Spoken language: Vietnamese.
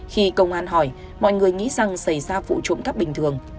khi công an hỏi mọi người nghĩ rằng xảy ra vụ trộm cắp bình thường